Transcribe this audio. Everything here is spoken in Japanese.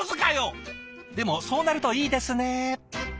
でもそうなるといいですね。